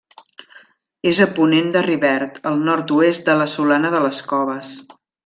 És a ponent de Rivert, al nord-oest de la Solana de les Coves.